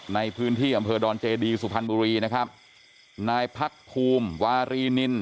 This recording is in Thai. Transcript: ในพื้นที่อำเภอดอนเจดีสุพรรณบุรีนะครับนายพักภูมิวารีนิน